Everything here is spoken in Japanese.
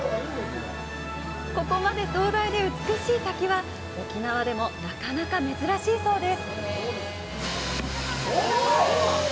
ここまで壮大で美しい滝は沖縄でもなかなか珍しいそうです